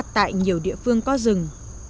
tại nhiều địa phương có rừng